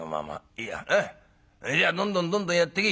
いいやほいじゃあどんどんどんどんやってけ」。